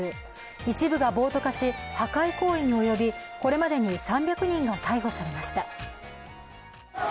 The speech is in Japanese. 一部が暴徒化し破壊行為に及び、これまでに３００人が逮捕されました。